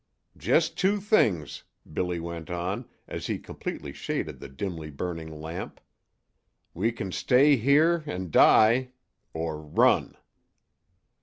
"Just two things," Billy went on, as he completely shaded the dimly burning lamp. "We can stay here 'n' die or run."